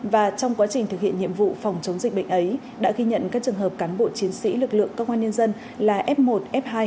và trong quá trình thực hiện nhiệm vụ phòng chống dịch bệnh ấy đã ghi nhận các trường hợp cán bộ chiến sĩ lực lượng công an nhân dân là f một f hai